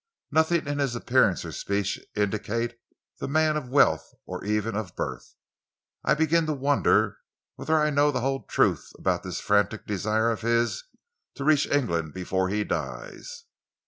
"Nothing in his appearance or speech indicate the man of wealth or even of birth. I begin to wonder whether I know the whole truth about this frantic desire of his to reach England before he dies?"